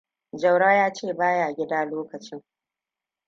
Jauro ya ce ba ya gida lokacin.